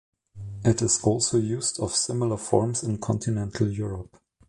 It is also used of similar forms in Continental Europe.